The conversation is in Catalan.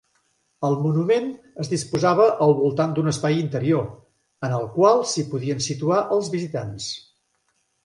El monument es disposava al voltant d'un espai interior, en el qual s'hi podien situar els visitants.